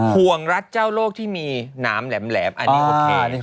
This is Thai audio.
ห่วงรัฐเจ้าโลกที่มีหนามแหลมอันนี้โอเค